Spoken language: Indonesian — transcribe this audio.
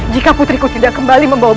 jika putriku tidak kembali membawa